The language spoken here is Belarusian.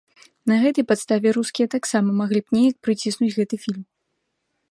На гэтай падставе рускія таксама маглі б неяк прыціснуць гэты фільм!